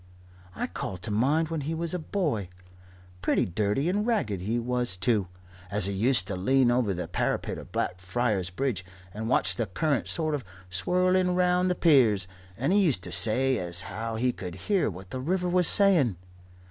I call to mind when he was a boy pretty dirty and ragged he was too as he used to lean over the parapet of Blackfriars Bridge and watch the current sort of swirling round the piers, and he used to say as how he could hear what the river was saying.